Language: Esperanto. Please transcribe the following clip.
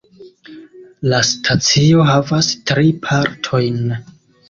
La stacio havas tri partojn.